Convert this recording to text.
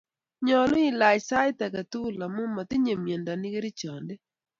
nyolu ilach sait ege tugul amu matinye myondo ni kerichonde